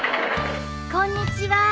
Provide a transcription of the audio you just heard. こんにちは。